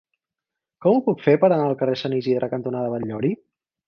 Com ho puc fer per anar al carrer Sant Isidre cantonada Batllori?